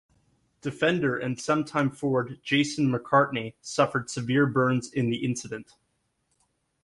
Defender and sometime forward Jason McCartney suffered severe burns in the incident.